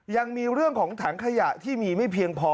ยังมีเรื่องของถังขยะที่มีไม่เพียงพอ